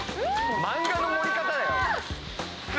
漫画の盛り方だよ。